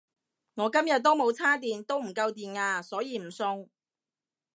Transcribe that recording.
我今日都冇叉電都唔夠電呀所以唔送